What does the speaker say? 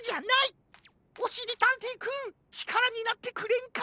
おしりたんていくんちからになってくれんか？